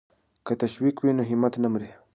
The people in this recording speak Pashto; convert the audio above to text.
که تشویق وي نو همت نه مري.